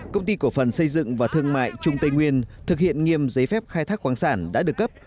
công ty cổ phần xây dựng và thương mại trung tây nguyên thực hiện nghiêm giấy phép khai thác khoáng sản đã được cấp